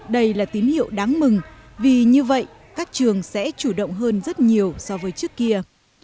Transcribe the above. đây là tín hiệu đáng mừng vì như vậy các trường sẽ chủ động hơn rất nhiều so với trước kia